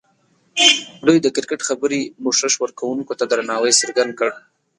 دوی د کرکټ خبري پوښښ ورکوونکو ته درناوی څرګند کړ.